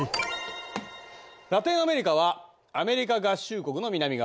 ラテンアメリカはアメリカ合衆国の南側。